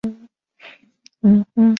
春秋时期鲁国人。